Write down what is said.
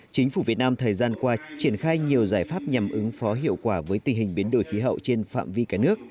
chính phủ việt nam thời gian qua triển khai nhiều giải pháp nhằm ứng phó hiệu quả với tình hình biến đổi khí hậu trên phạm vi cả nước